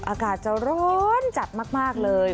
อากาศจะร้อนจัดมากเลย